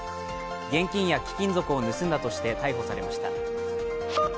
現金や貴金属を盗んだとして逮捕されました。